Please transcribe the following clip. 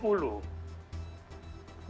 karena banyak yang menarik